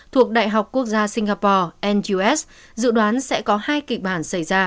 thuộc đại học quốc gia singapore nus dự đoán sẽ có hai kịch bản xảy ra